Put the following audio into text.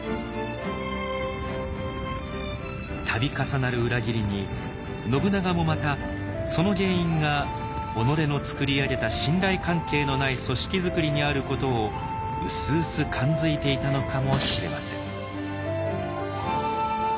度重なる裏切りに信長もまたその原因が己のつくり上げた信頼関係のない組織づくりにあることをうすうす感づいていたのかもしれません。